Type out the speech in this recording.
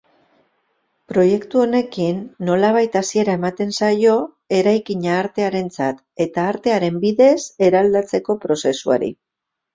Proiektu honekin nolabait hasiera ematen zaio eraikina artearentzat eta artearen bidez eraldatzeko prozesuari.